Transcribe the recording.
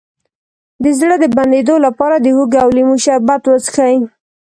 د زړه د بندیدو لپاره د هوږې او لیمو شربت وڅښئ